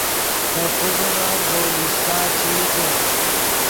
دے خوبن ام ڤؤ لیشچا چے ایتے